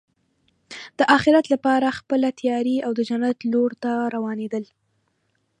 د اخرت لپاره خپله تیاری او د جنت لور ته روانېدل.